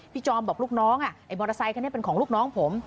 จอมบอกลูกน้องไอ้มอเตอร์ไซคันนี้เป็นของลูกน้องผม